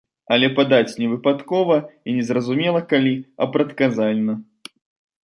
Але падаць не выпадкова і незразумела калі, а прадказальна.